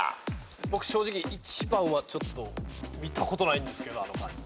僕正直１番はちょっと見たことないんですけどあの漢字。